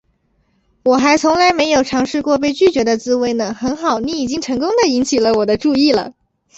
我还从来没有尝试过被拒绝的滋味呢，很好，你已经成功地引起我的注意了